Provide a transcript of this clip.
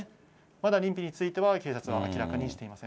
まだ認否については、警察は明らかにしていません。